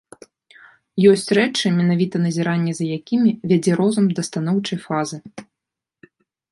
Ёсць рэчы, менавіта назіранне за якімі вядзе розум да станоўчай фазы.